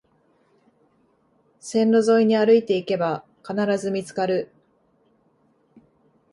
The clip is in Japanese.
線路沿いに歩いていけば必ず見つかる